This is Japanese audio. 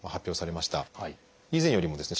以前よりもですね